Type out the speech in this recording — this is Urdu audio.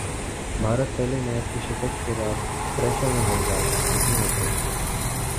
بھارت پہلے میچ کی شکست کے بعد پریشر میں ہوگاوسیم اکرم